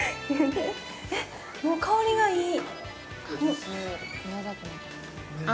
えっ、もう香りがいい。